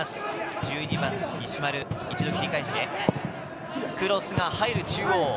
１２番・西丸、切り返して、クロスが入る中央。